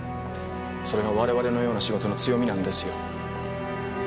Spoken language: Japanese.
それが我々のような仕事の強みなんですよ。